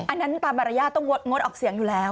จริงแม้นั้นตามรรยาก็ต้องงดออกเสียงอยู่แล้ว